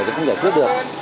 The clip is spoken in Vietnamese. thì không giải quyết được